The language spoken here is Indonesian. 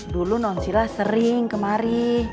dulu nansila sering kemari